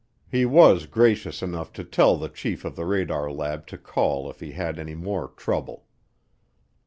He was gracious enough to tell the chief of the radar lab to call if he had any more "trouble."